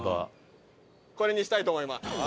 これにしたいと思います。